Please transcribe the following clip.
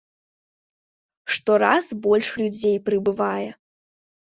Штораз больш людзей прыбывае.